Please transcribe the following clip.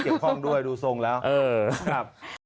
เกี่ยวข้องด้วยดูทรงแล้วเออครับ